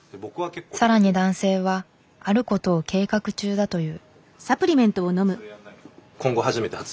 さらに男性はあることを計画中だという。